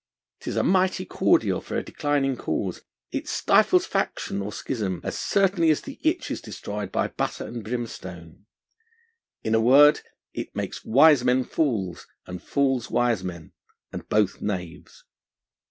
'Tis a mighty cordial for a declining cause; it stifles faction or schism, as certainly as the itch is destroyed by butter and brimstone. In a word, it makes wise men fools, and fools wise men, and both knaves.